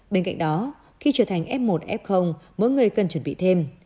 bên cạnh đó khi trở thành f một f mỗi người cần chuẩn bị thêm